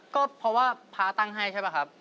ก็เพราะว่าพระตั้งให้ใช่ป่ะครับ